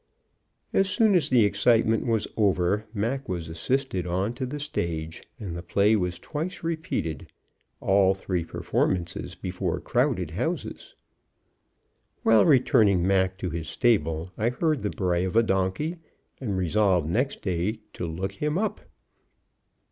As soon as the excitement was over, Mac was assisted on to the stage, and the play was twice repeated, all three performances before crowded houses. While returning Mac to his stable I heard the bray of a donkey, and resolved next day to look him up.